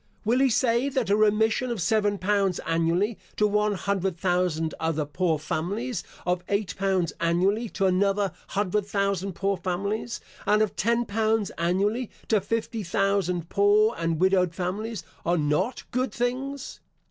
Will he say that a remission of seven pounds annually to one hundred thousand other poor families of eight pounds annually to another hundred thousand poor families, and of ten pounds annually to fifty thousand poor and widowed families, are not good things?